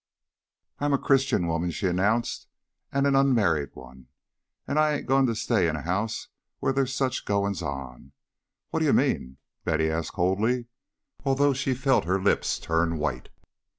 "I'm a Christian woman," she announced, "and an unmarried one, and I ain't goin' to stay in a house where there's sech goin's on." "What do you mean?" asked Betty coldly, although she felt her lips turn white.